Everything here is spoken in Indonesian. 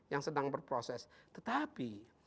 yang sedang berproses tetapi